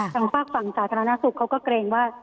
ทางฝากฝั่งสาธารณสุขเขาก็เกรงว่า